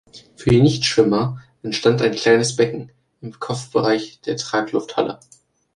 Für die Nichtschwimmer entstand ein kleines Becken im Kopfbereich der Traglufthalle.